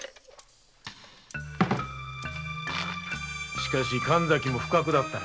しかし神崎も不覚だったな。